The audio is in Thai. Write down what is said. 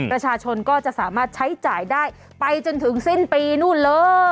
ประชาชนก็จะสามารถใช้จ่ายได้ไปจนถึงสิ้นปีนู่นเลย